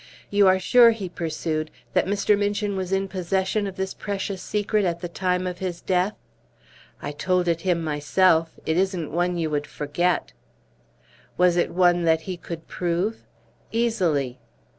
"You are sure," he pursued, "that Mr. Minchin was in possession of this precious secret at the time of his death?" "I told it him myself. It isn't one you would forget." "Was it one that he could prove?" "Easily."